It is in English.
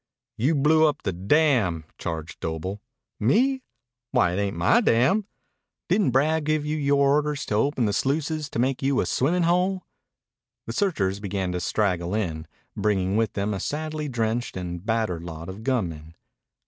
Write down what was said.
"You blew up the dam," charged Doble. "Me! Why, it ain't my dam. Didn't Brad give you orders to open the sluices to make you a swimmin' hole?" The searchers began to straggle in, bringing with them a sadly drenched and battered lot of gunmen.